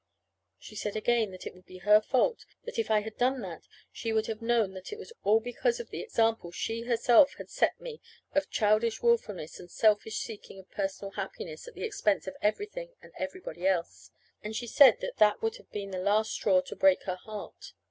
She said again that it would be her fault; that if I had done that she would have known that it was all because of the example she herself had set me of childish willfulness and selfish seeking of personal happiness at the expense of everything and everybody else. And she said that that would have been the last straw to break her heart.